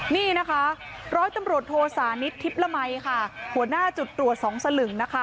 นี่นะคะร้อยตำรวจโทสานิททิพย์ละมัยค่ะหัวหน้าจุดตรวจสองสลึงนะคะ